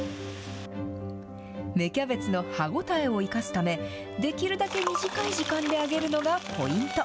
芽キャベツの歯応えを生かすため、できるだけ短い時間で揚げるのがポイント。